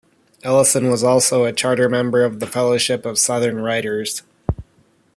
Ellison was also a charter member of the Fellowship of Southern Writers.